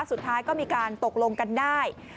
สุดท้ายก็มีการตกลงกันได้